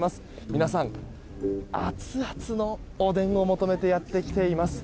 皆さん、アツアツのおでんを求めてやってきています。